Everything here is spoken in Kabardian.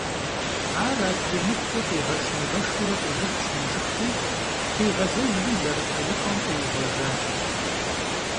Ар адэкӀэ-мыдэкӀэ къигъэш-нигъэшурэ, къижыхьщ-нижыхьри къигъэзэжри зэрыта и пӀэм къиувэжащ.